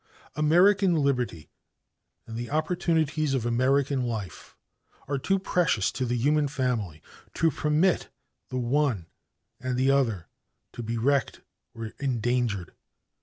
American liberty and the opportunities of American life are too precious to the human family to permit the one and the other to be wrecked or endangered.